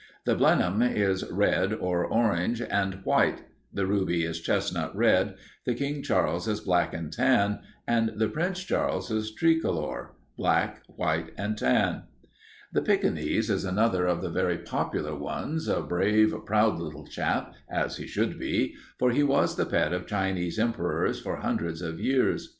The Blenheim is red or orange and white, the ruby is chestnut red, the King Charles is black and tan, and the Prince Charles is tri color black, white, and tan. [Illustration: Pekingese] "The Pekingese is another of the very popular ones. A brave, proud little chap, as he should be, for he was the pet of Chinese emperors for hundreds of years.